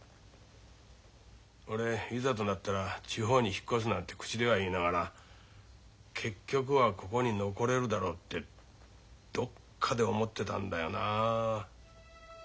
俺いざとなったら地方に引っ越すなんて口では言いながら結局はここに残れるだろうってどっかで思ってたんだよなあ。